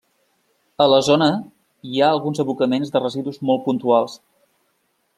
A la zona hi ha alguns abocaments de residus molt puntuals.